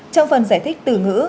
trong phần giải thích từ ngữ